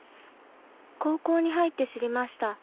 高校に入って知りました。